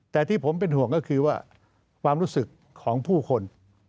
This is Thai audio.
แต่ที่ผมเป็นห่วงก็คือว่าความรู้สึกของผู้คน